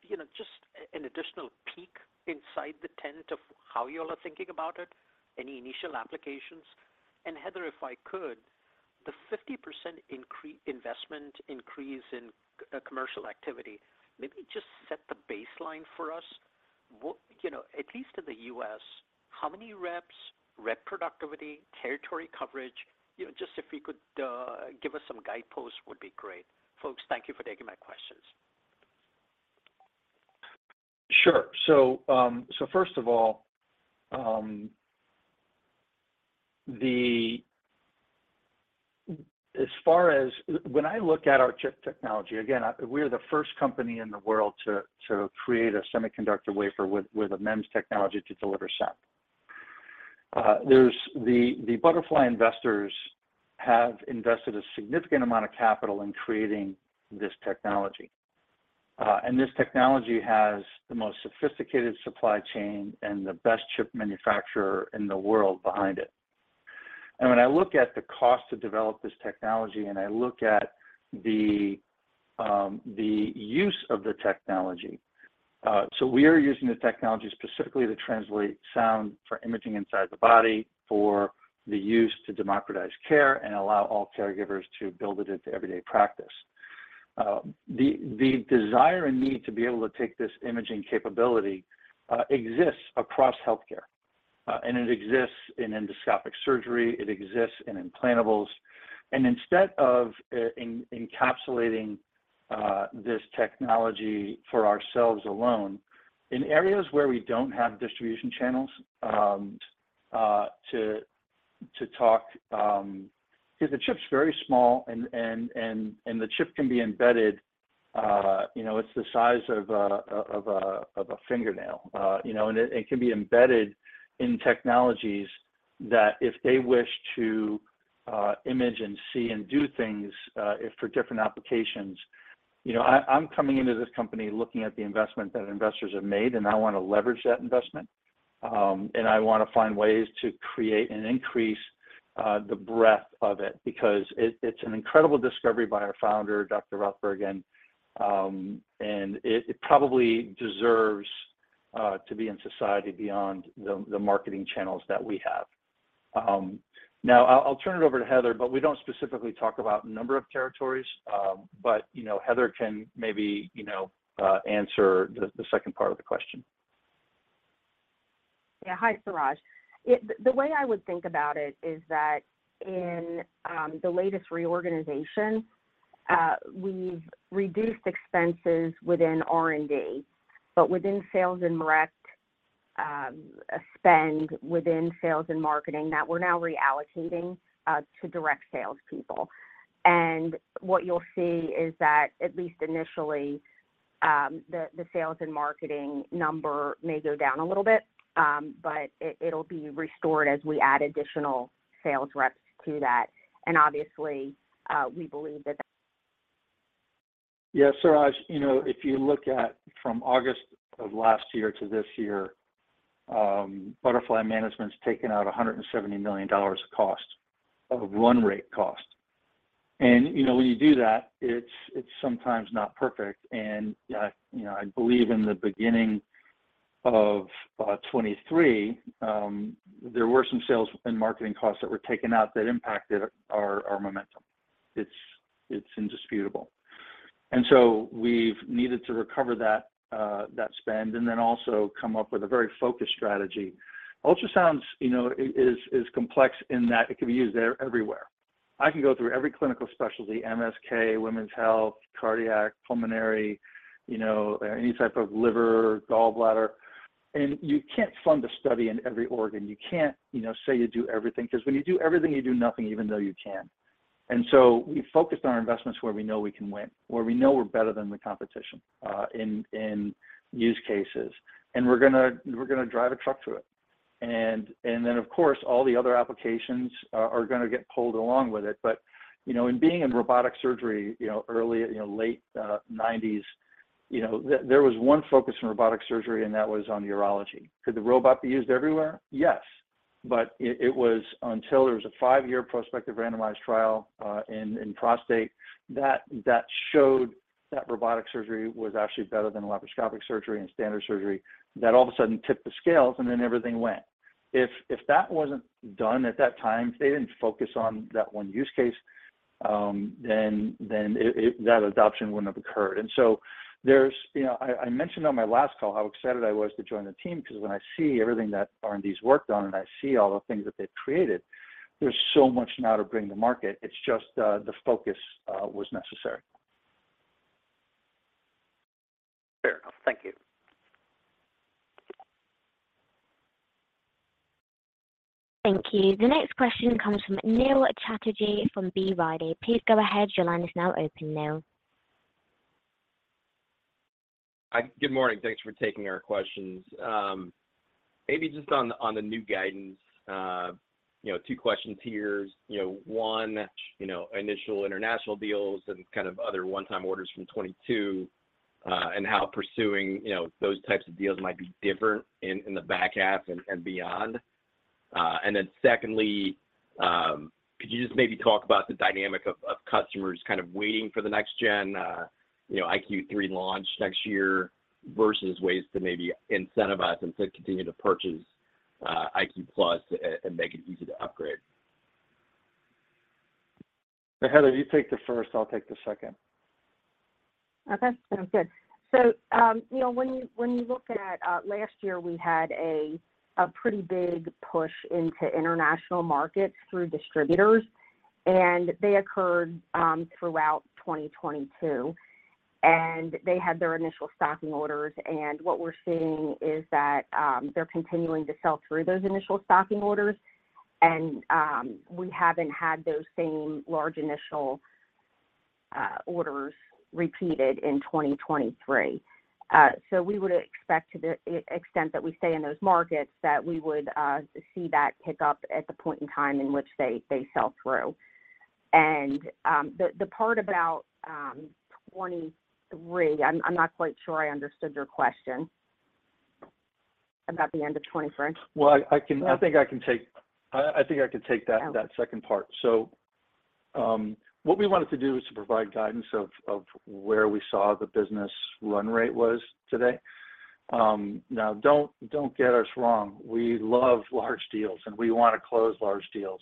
you know, just an additional peek inside the tent of how you all are thinking about it, any initial applications? Heather, if I could, the 50% investment increase in commercial activity, maybe just set the baseline for us? What, you know, at least in the US, how many reps, rep productivity, territory coverage, you know, just if you could give us some guideposts would be great. Folks, thank you for taking my questions. Sure. First of all, as far as when I look at our chip technology, again, we're the first company in the world to create a semiconductor wafer with a MEMS technology to deliver sound. There's the Butterfly investors have invested a significant amount of capital in creating this technology. This technology has the most sophisticated supply chain and the best chip manufacturer in the world behind it. When I look at the cost to develop this technology, and I look at the use of the technology, we are using the technology specifically to translate sound for imaging inside the body, for the use to democratize care and allow all caregivers to build it into everyday practice. The, the desire and need to be able to take this imaging capability exists across healthcare, and it exists in endoscopic surgery, it exists in implantables. Instead of in encapsulating this technology for ourselves alone, in areas where we don't have distribution channels, to, to talk. Because the chip's very small and, and, and, and the chip can be embedded, you know, it's the size of a, of a, of a fingernail. You know, and it, it can be embedded in technologies that if they wish to, image and see and do things, for different applications. You know, I, I'm coming into this company looking at the investment that investors have made, and I want to leverage that investment, and I want to find ways to create and increase the breadth of it because it, it's an incredible discovery by our founder, Dr. Rothberg, and it, it probably deserves to be in society beyond the, the marketing channels that we have. Now I'll, I'll turn it over to Heather, but we don't specifically talk about number of territories, but, you know, Heather can maybe, you know, answer the, the second part of the question. Yeah. Hi, Suraj. The way I would think about it is that in the latest reorganization, we've reduced expenses within R&D, but within sales and direct spend within sales and marketing, that we're now reallocating to direct sales people. What you'll see is that, at least initially, the sales and marketing number may go down a little bit, but it'll be restored as we add additional sales reps to that. Obviously, we believe that. Yeah, Suraj, you know, if you look at from August of last year to this year, Butterfly Network management's taken out $170 million of cost, of run rate cost. You know, when you do that, it's, it's sometimes not perfect. You know, I believe in the beginning of 2023, there were some sales and marketing costs that were taken out that impacted our, our momentum. It's, it's indisputable. We've needed to recover that, that spend, and then also come up with a very focused strategy. Ultrasounds, you know, is, is, is complex in that it can be used everywhere. I can go through every clinical specialty, MSK, women's health, cardiac, pulmonary, you know, any type of liver, gallbladder, and you can't fund a study in every organ. You can't, you know, say you do everything, because when you do everything, you do nothing, even though you can. We've focused our investments where we know we can win, where we know we're better than the competition, in, in use cases, and we're gonna, we're gonna drive a truck to it. Of course, all the other applications, are gonna get pulled along with it. You know, in being in robotic surgery, you know, early, you know, late, 90s, you know, there, there was one focus in robotic surgery, and that was on urology. Could the robot be used everywhere? Yes. It, it was until there was a five-year prospective randomized trial, in, in prostate, that, that showed that robotic surgery was actually better than laparoscopic surgery and standard surgery, that all of a sudden tipped the scales, and then everything went. If, if that wasn't done at that time, if they didn't focus on that one use case, then, then that adoption wouldn't have occurred. There's... You know, I, I mentioned on my last call how excited I was to join the team, because when I see everything that R&D's worked on, and I see all the things that they've created, there's so much now to bring to market. It's just, the focus, was necessary. Sure. Thank you. Thank you. The next question comes from Neal Chatterjee from B. Riley. Please go ahead. Your line is now open, Neal. Hi. Good morning. Thanks for taking our questions. Maybe just on the, on the new guidance, you know, two questions here. You know, one, you know, initial international deals and kind of other one-time orders from 2022, and how pursuing, you know, those types of deals might be different in, in the back half and, and beyond. Then secondly, could you just maybe talk about the dynamic of, of customers kind of waiting for the next gen, you know, iQ3 launch next year versus ways to maybe incentivize them to continue to purchase, iQ+ and make it easy to upgrade? Heather, you take the first, I'll take the second. Okay, sounds good. You know, when you, when you look at last year, we had a pretty big push into international markets through distributors, and they occurred throughout 2022, and they had their initial stocking orders. What we're seeing is that they're continuing to sell through those initial stocking orders, and we haven't had those same large initial orders repeated in 2023. We would expect to the extent that we stay in those markets, that we would see that pick up at the point in time in which they, they sell through. The part about 2023, I'm not quite sure I understood your question about the end of 2023. Well, I think I can take, I think I can take that. Yeah... that second part. What we wanted to do is to provide guidance of, of where we saw the business run rate was today. Don't, don't get us wrong, we love large deals, and we want to close large deals.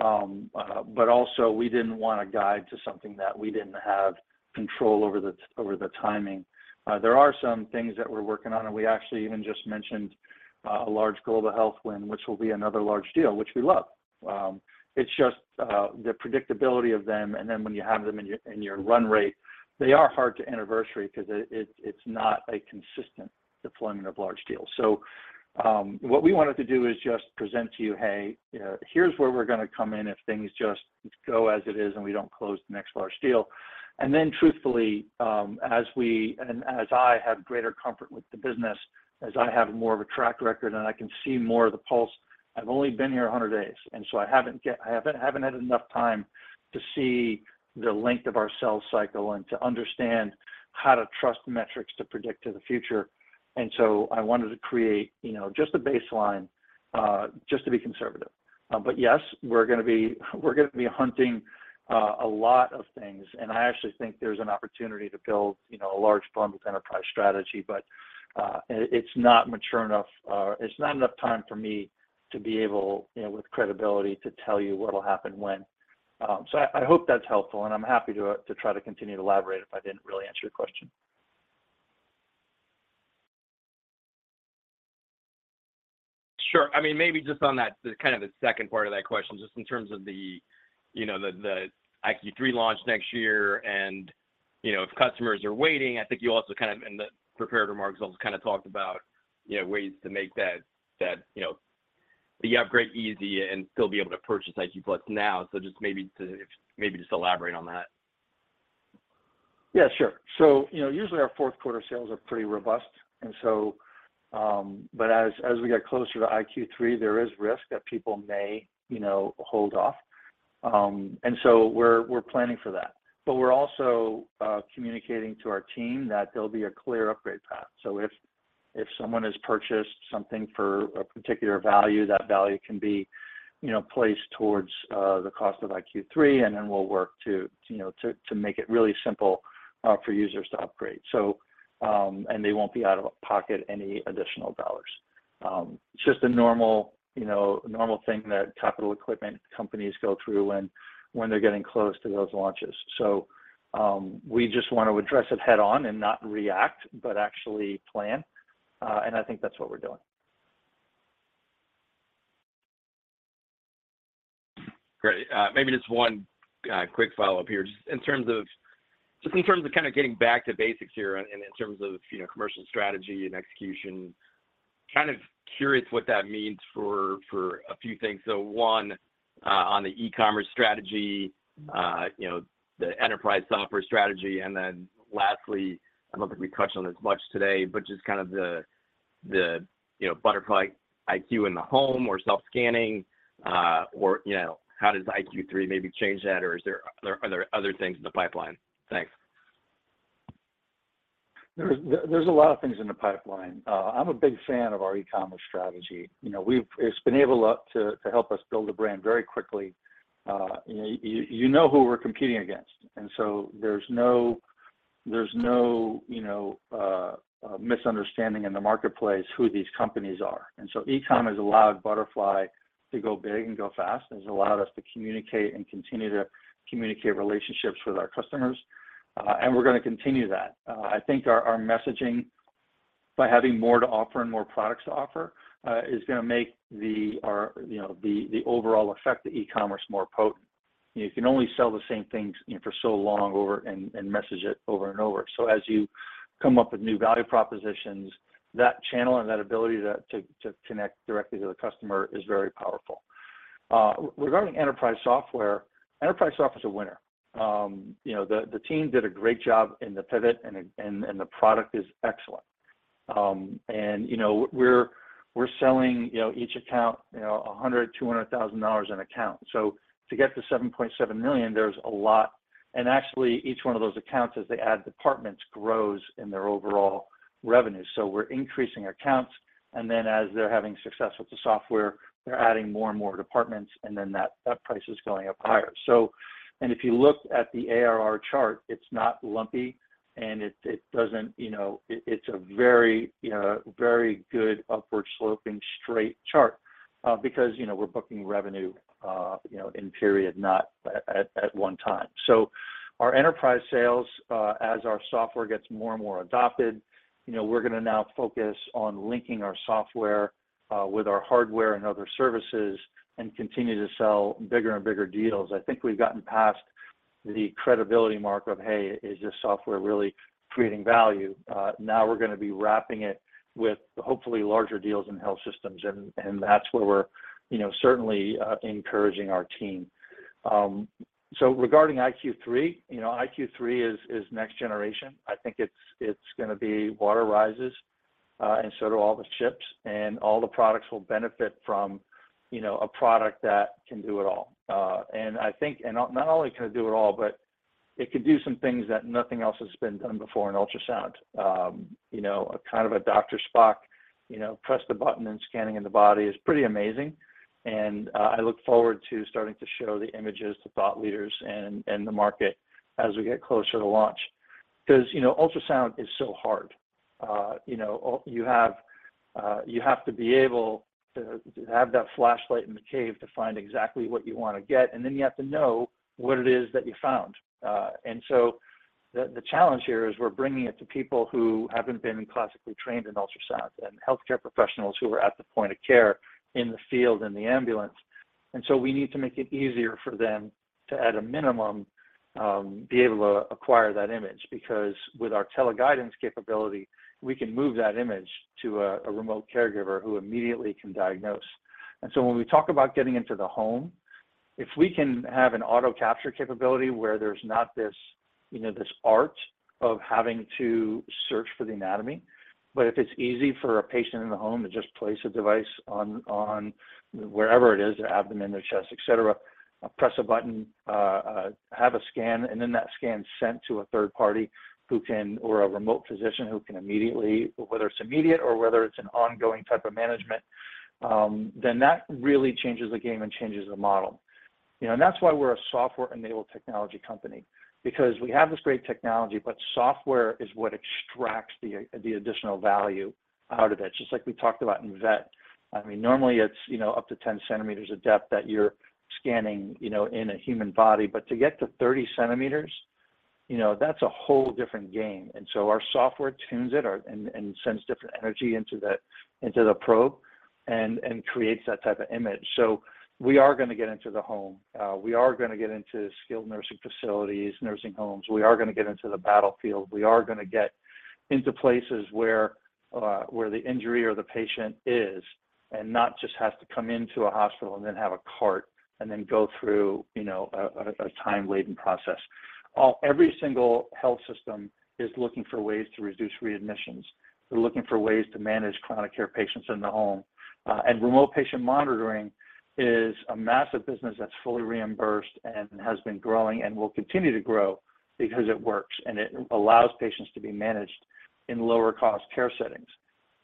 Also, we didn't want to guide to something that we didn't have control over the, over the timing. There are some things that we're working on, and we actually even just mentioned, a large global health win, which will be another large deal, which we love. It's just, the predictability of them, and then when you have them in your, in your run rate, they are hard to anniversary because it, it, it's not a consistent deployment of large deals. What we wanted to do is just present to you, hey, here's where we're gonna come in if things just go as it is and we don't close the next large deal. Truthfully, as we, and as I have greater comfort with the business, as I have more of a track record and I can see more of the pulse, I've only been here 100 days, and so I haven't get-- I haven't, haven't had enough time to see the length of our sales cycle and to understand how to trust metrics to predict to the future. I wanted to create, you know, just a baseline, just to be conservative. Yes, we're gonna be, we're gonna be hunting a lot of things, and I actually think there's an opportunity to build, you know, a large bundled enterprise strategy, but it, it's not mature enough, it's not enough time for me to be able, you know, with credibility, to tell you what'll happen when. I hope that's helpful, and I'm happy to try to continue to elaborate if I didn't really answer your question. Sure. I mean, maybe just on that, the kind of the second part of that question, just in terms of the, you know, the, the iQ3 launch next year and, you know, if customers are waiting, I think you also kind of in the prepared remarks, also kind of talked about, you know, ways to make that, that, you know, the upgrade easy and still be able to purchase iQ+ now. Just maybe to, maybe just elaborate on that. Yeah, sure. You know, usually our 4th quarter sales are pretty robust. As, as we get closer to iQ3, there is risk that people may, you know, hold off. We're, we're planning for that. We're also communicating to our team that there'll be a clear upgrade path. If, if someone has purchased something for a particular value, that value can be, you know, placed towards the cost of iQ3, and then we'll work to, you know, to, to make it really simple for users to upgrade. They won't be out of pocket any additional dollars. It's just a normal, you know, normal thing that capital equipment companies go through when, when they're getting close to those launches. We just want to address it head-on and not react, but actually plan, and I think that's what we're doing. Great. Maybe just one quick follow-up here. Just in terms of, just in terms of kind of getting back to basics here and in terms of, you know, commercial strategy and execution, kind of curious what that means for, for a few things. One, on the e-commerce strategy, you know, the enterprise software strategy, and then lastly, I don't think we touched on this much today, but just kind of the, the, you know, Butterfly iQ in the home or self-scanning, or, you know, how does iQ3 maybe change that? Or are there other things in the pipeline? Thanks. There's, there's a lot of things in the pipeline. I'm a big fan of our e-commerce strategy. You know, it's been able to help us build a brand very quickly. You, you, you know who we're competing against, and so there's no, there's no, you know, misunderstanding in the marketplace who these companies are. So e-com has allowed Butterfly to go big and go fast, and it's allowed us to communicate and continue to communicate relationships with our customers, and we're gonna continue that. I think our, our messaging by having more to offer and more products to offer, is gonna make the, our, you know, the, the overall effect of e-commerce more potent. You can only sell the same things, you know, for so long over and, and message it over and over. As you come up with new value propositions, that channel and that ability to connect directly to the customer is very powerful. Regarding enterprise software, enterprise software is a winner. You know, the team did a great job in the pivot, and the product is excellent. You know, we're selling, you know, each account, you know, $100,000, $200,000 an account. To get to $7.7 million, there's a lot. Actually, each one of those accounts, as they add departments, grows in their overall revenue. We're increasing our accounts, and then as they're having success with the software, they're adding more and more departments, and then that price is going up higher. If you look at the ARR chart, it's not lumpy, and it doesn't, you know, it's a very, you know, very good upward sloping straight chart, because, you know, we're booking revenue, you know, in period, not at one time. Our enterprise sales, as our software gets more and more adopted, you know, we're gonna now focus on linking our software with our hardware and other services and continue to sell bigger and bigger deals. I think we've gotten past the credibility mark of, hey, is this software really creating value? Now we're gonna be wrapping it with hopefully larger deals in health systems, and that's where we're, you know, certainly encouraging our team. Regarding iQ3, you know, iQ3 is next generation. I think it's gonna be water rises... So do all the ships, and all the products will benefit from, you know, a product that can do it all. I think, and not, not only can it do it all, but it can do some things that nothing else has been done before in ultrasound. You know, a kind of a Dr. Spock, you know, press the button and scanning in the body is pretty amazing, and I look forward to starting to show the images to thought leaders and the market as we get closer to launch. You know, ultrasound is so hard. You know, you have to be able to have that flashlight in the cave to find exactly what you want to get, and then you have to know what it is that you found. The, the challenge here is we're bringing it to people who haven't been classically trained in ultrasound and healthcare professionals who are at the point of care in the field, in the ambulance. We need to make it easier for them to, at a minimum, be able to acquire that image, because with our teleguidance capability, we can move that image to a, a remote caregiver who immediately can diagnose. When we talk about getting into the home, if we can have an auto capture capability where there's not this, you know, this art of having to search for the anatomy, but if it's easy for a patient in the home to just place a device on, on wherever it is, their abdomen, their chest, et cetera, press a button, have a scan, and then that scan is sent to a third party who can, or a remote physician who can immediately, whether it's immediate or whether it's an ongoing type of management, then that really changes the game and changes the model. You know, that's why we're a software-enabled technology company, because we have this great technology, but software is what extracts the additional value out of it, just like we talked about in vet. I mean, normally it's, you know, up to 10 cm of depth that you're scanning, you know, in a human body, but to get to 30 cm, you know, that's a whole different game. Our software tunes it, sends different energy into the, into the probe and, and creates that type of image. We are gonna get into the home. We are gonna get into skilled nursing facilities, nursing homes. We are gonna get into the battlefield. We are gonna get into places where, where the injury or the patient is, and not just have to come into a hospital and then have a cart, and then go through, you know, a time-laden process. Every single health system is looking for ways to reduce readmissions. They're looking for ways to manage chronic care patients in the home. Remote patient monitoring is a massive business that's fully reimbursed and has been growing and will continue to grow because it works, and it allows patients to be managed in lower cost care settings.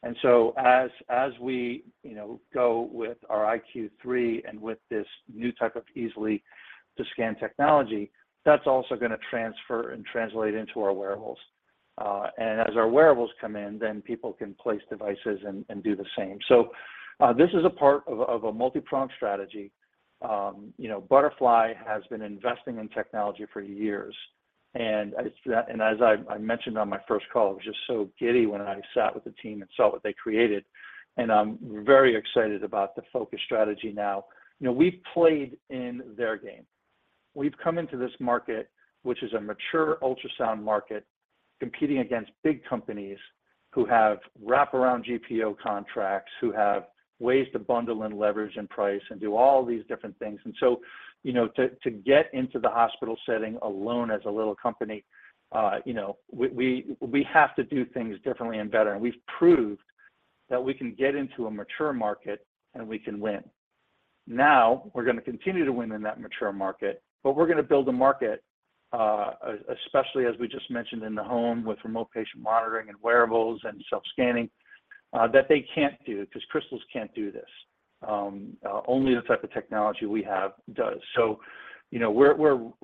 As, as we, you know, go with our Butterfly iQ3 and with this new type of easily to scan technology, that's also gonna transfer and translate into our wearables. As our wearables come in, then people can place devices and, and do the same. This is a part of a multipronged strategy. You know, Butterfly has been investing in technology for years, as I, I mentioned on my first call, I was just so giddy when I sat with the team and saw what they created, and I'm very excited about the focus strategy now. You know, we've played in their game. We've come into this market, which is a mature ultrasound market, competing against big companies who have wraparound GPO contracts, who have ways to bundle and leverage and price and do all these different things. You know, to get into the hospital setting alone as a little company, you know, we, we, we have to do things differently and better, and we've proved that we can get into a mature market, and we can win. We're gonna continue to win in that mature market, but we're gonna build a market, especially as we just mentioned in the home, with remote patient monitoring and wearables and self-scanning, that they can't do, because crystals can't do this. Only the type of technology we have does. You know, we're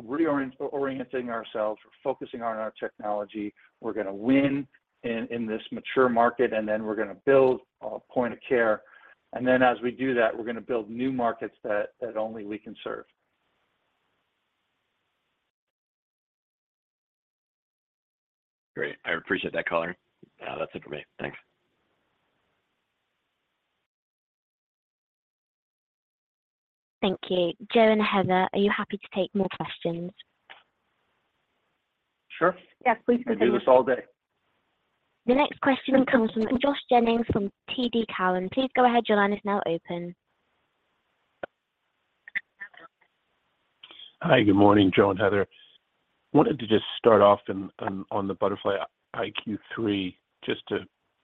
reorienting ourselves. We're focusing on our technology. We're gonna win in this mature market, then we're gonna build a point of care. Then as we do that, we're gonna build new markets that, that only we can serve. Great. I appreciate that comment. That's it for me. Thanks. Thank you. Joe and Heather, are you happy to take more questions? Sure. Yes, please continue. We can do this all day. The next question comes from Josh Jennings, from TD Cowen. Please go ahead. Your line is now open. Hi, good morning, Joe and Heather. Wanted to just start off on the Butterfly iQ3, just to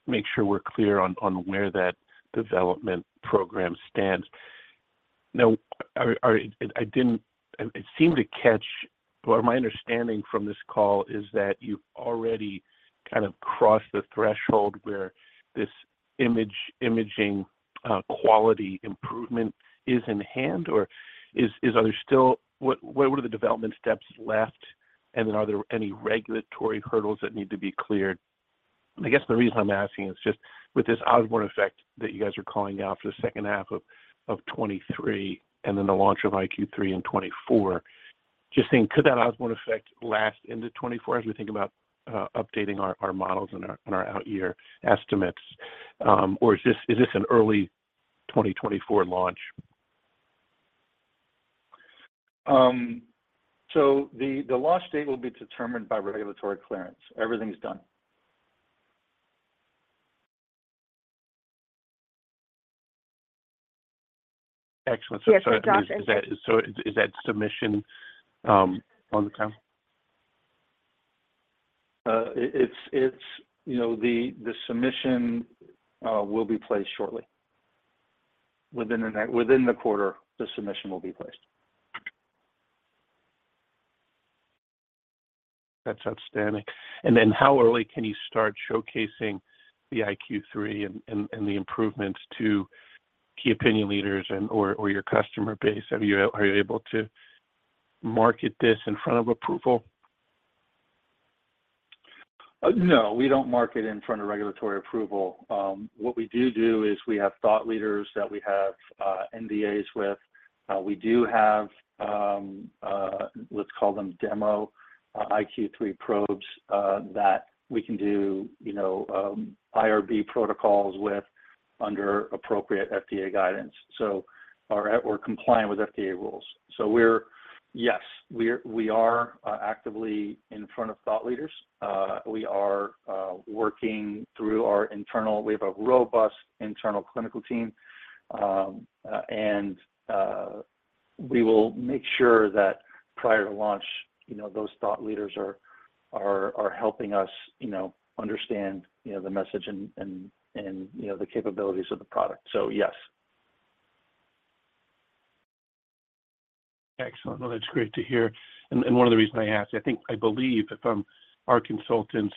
make sure we're clear on where that development program stands. Now, It seemed to catch, or my understanding from this call is that you've already kind of crossed the threshold where this imaging quality improvement is in hand, or is there still... What are the development steps left, and then are there any regulatory hurdles that need to be cleared? I guess the reason I'm asking is just with this Osborne effect that you guys are calling out for the second half of, of 2023 and then the launch of iQ3 in 2024, just thinking, could that Osborne effect last into 2024 as we think about updating our, our models and our, and our out year estimates, or is this, is this an early 2024 launch? The, the launch date will be determined by regulatory clearance. Everything's done.... Excellent. So sorry, is that, so is, is that submission, on the ground? You know, the submission will be placed shortly. Within the next, within the quarter, the submission will be placed. That's outstanding. How early can you start showcasing the iQ3 and, and, and the improvements to key opinion leaders and, or, or your customer base? Are you, are you able to market this in front of approval? No, we don't market in front of regulatory approval. What we do do is we have thought leaders that we have NDAs with. We do have, let's call them demo, iQ3 probes that we can do, you know, IRB protocols with under appropriate FDA guidance. We're compliant with FDA rules. We're, yes, we are, we are actively in front of thought leaders. We are working through our internal. We have a robust internal clinical team and we will make sure that prior to launch, you know, those thought leaders are, are, are helping us, you know, understand, you know, the message and, and, and, you know, the capabilities of the product. Yes. Excellent. Well, that's great to hear. One of the reasons I ask, I think, I believe that from our consultants,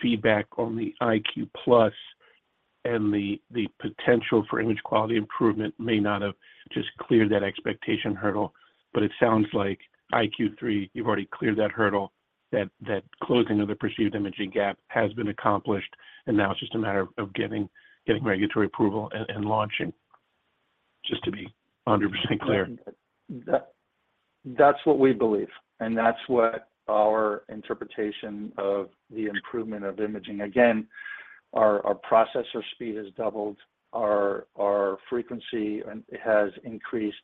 feedback on the iQ+ and the, the potential for image quality improvement may not have just cleared that expectation hurdle, but it sounds like iQ3, you've already cleared that hurdle, that, that closing of the perceived imaging gap has been accomplished, and now it's just a matter of getting, getting regulatory approval and, and launching. Just to be 100% clear. That, that's what we believe, and that's what our interpretation of the improvement of imaging. Again, our, our processor speed has doubled, our, our frequency has increased.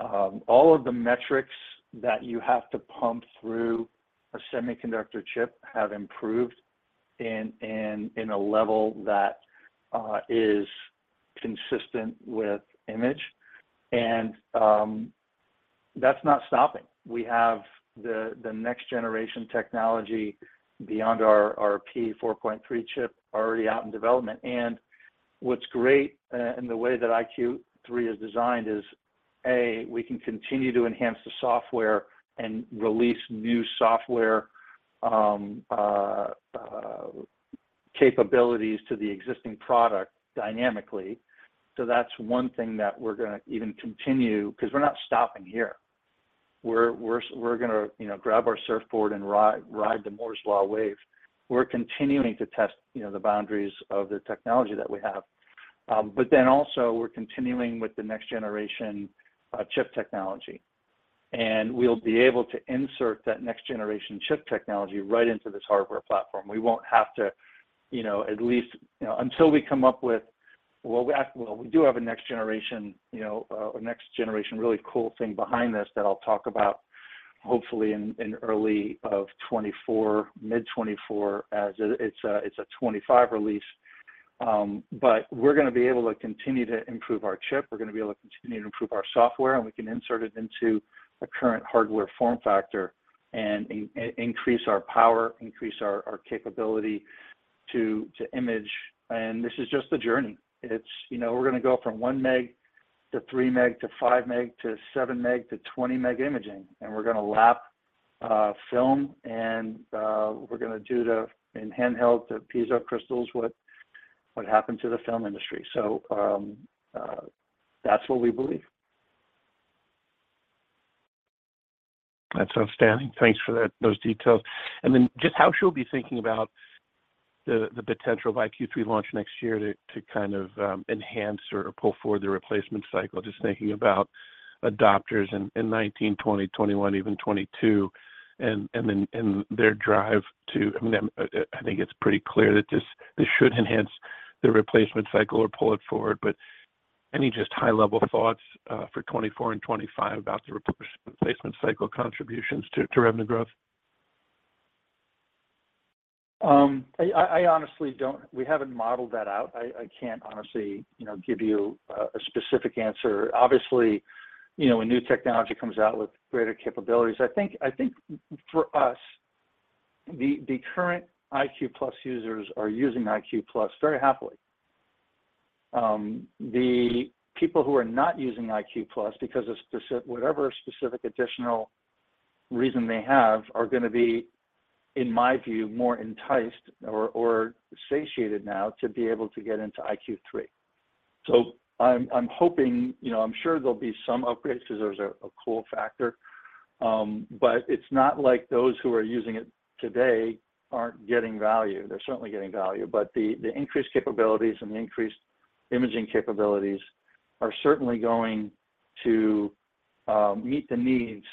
All of the metrics that you have to pump through a semiconductor chip have improved in, in, in a level that is consistent with image, and that's not stopping. We have the, the next generation technology beyond our, our P4.3 chip already out in development. What's great in the way that iQ3 is designed is, A, we can continue to enhance the software and release new software capabilities to the existing product dynamically. That's one thing that we're gonna even continue, 'cause we're not stopping here. We're, we're, we're gonna, you know, grab our surfboard and ride, ride the Moore's law wave. We're continuing to test, you know, the boundaries of the technology that we have. Then also, we're continuing with the next generation chip technology, and we'll be able to insert that next generation chip technology right into this hardware platform. We won't have to, you know, at least, you know, until we come up with... Well, we do have a next generation, you know, a next generation, really cool thing behind this that I'll talk about hopefully in, in early of 2024, mid 2024, as it's a, it's a 2025 release. We're gonna be able to continue to improve our chip. We're gonna be able to continue to improve our software, and we can insert it into a current hardware form factor and increase our power, increase our, our capability to, to image. This is just the journey. It's, you know, we're gonna go from 1 meg to 3 meg, to 5 meg, to 7 meg, to 20 meg imaging, and we're gonna lap, film, and, we're gonna do the, in handheld, the piezo crystals, what, what happened to the film industry? That's what we believe. That's outstanding. Thanks for that, those details. Then, just how she'll be thinking about the, the potential of iQ3 launch 2024 to, to kind of, enhance or pull forward the replacement cycle, just thinking about adopters in, in 2019, 2020, 2021, even 2022, and, and then, and their drive to... I mean, I think it's pretty clear that this, this should enhance the replacement cycle or pull it forward, any just high-level thoughts, for 2024 and 2025 about the replacement cycle contributions to, to revenue growth? I honestly don't. We haven't modeled that out. I, I can't honestly, you know, give you a, a specific answer. Obviously, you know, when new technology comes out with greater capabilities, I think, I think for us, the, the current Butterfly iQ+ users are using Butterfly iQ+ very happily. The people who are not using Butterfly iQ+, because of whatever specific additional reason they have, are gonna be, in my view, more enticed or, or satiated now to be able to get into Butterfly iQ3. I'm, I'm hoping, you know, I'm sure there'll be some upgrades because there's a, a cool factor, but it's not like those who are using it today aren't getting value. They're certainly getting value, but the, the increased capabilities and the increased imaging capabilities are certainly going to meet the needs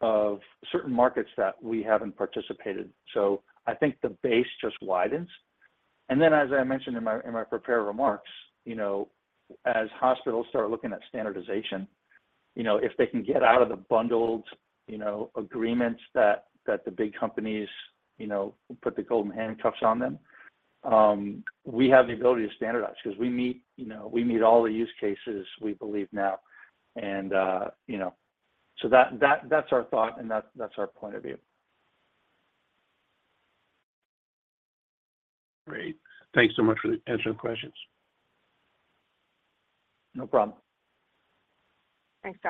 of certain markets that we haven't participated. I think the base just widens. As I mentioned in my, in my prepared remarks, you know, as hospitals start looking at standardization. You know, if they can get out of the bundled, you know, agreements that, that the big companies, you know, put the golden handcuffs on them, we have the ability to standardize because we meet, you know, we meet all the use cases, we believe now. You know, that, that, that's our thought, and that's, that's our point of view. Great. Thanks so much for the answering the questions. No problem. Thanks,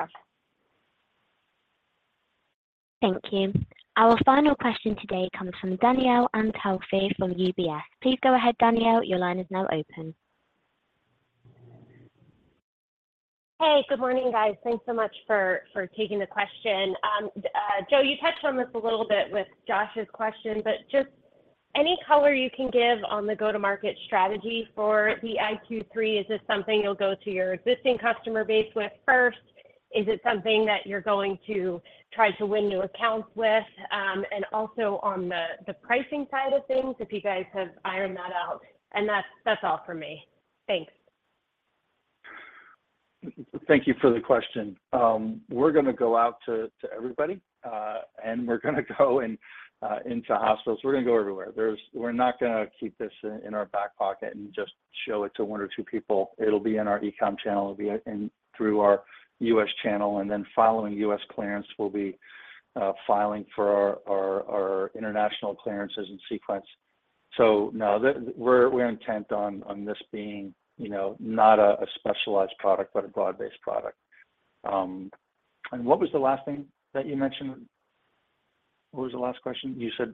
Josh. Thank you. Our final question today comes from Danielle Antalffy from UBS. Please go ahead, Danielle. Your line is now open. Hey, good morning, guys. Thanks so much for, for taking the question. Joe, you touched on this a little bit with Josh's question, but just any color you can give on the go-to-market strategy for the Butterfly iQ3? Is this something you'll go to your existing customer base with first? Is it something that you're going to try to win new accounts with? Also on the, the pricing side of things, if you guys have ironed that out. That's, that's all for me. Thanks. Thank you for the question. We're gonna go out to, to everybody, and we're gonna go in, into hospitals. We're gonna go everywhere. We're not gonna keep this in, in our back pocket and just show it to 1 or 2 people. It'll be in our e-com channel. It'll be in through our US channel, and then following US clearance, we'll be filing for our, our, our international clearances in sequence. No, we're, we're intent on, on this being, you know, not a, a specialized product, but a broad-based product. What was the last thing that you mentioned? What was the last question? You said.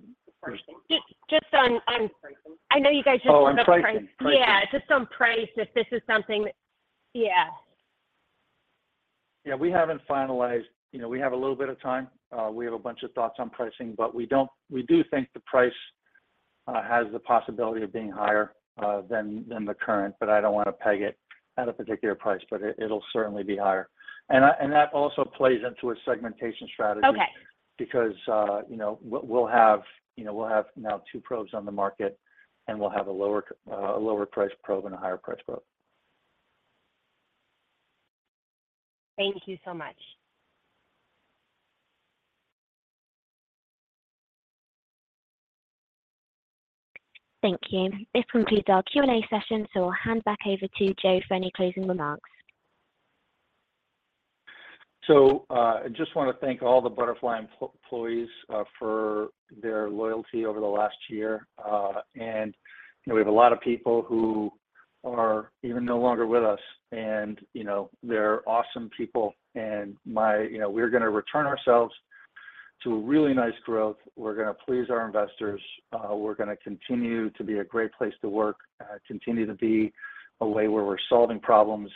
Just on, Pricing. I know you guys... Oh, on pricing. Yeah. Just on price, if this is something... Yeah. Yeah, we haven't finalized. You know, we have a little bit of time. We have a bunch of thoughts on pricing, but we do think the price has the possibility of being higher than the current, but I don't want to peg it at a particular price, but it'll certainly be higher. That also plays into a segmentation strategy. Okay. You know, we'll have, you know, we'll have now two probes on the market, and we'll have a lower, a lower-priced probe and a higher-priced probe. Thank you so much. Thank you. This concludes our Q&A session, so I'll hand back over to Joe for any closing remarks. I just want to thank all the Butterfly employees for their loyalty over the last year. You know, we have a lot of people who are even no longer with us, and, you know, they're awesome people. You know, we're gonna return ourselves to a really nice growth. We're gonna please our investors. We're gonna continue to be a great place to work, continue to be a way where we're solving problems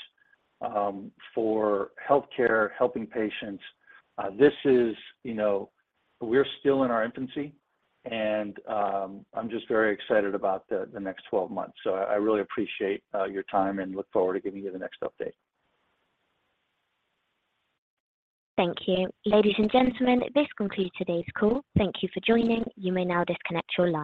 for healthcare, helping patients. This is, you know, we're still in our infancy, and I'm just very excited about the, the next 12 months. I really appreciate your time and look forward to giving you the next update. Thank you. Ladies and gentlemen, this concludes today's call. Thank you for joining. You may now disconnect your line.